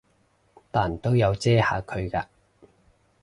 但都有遮下佢嘅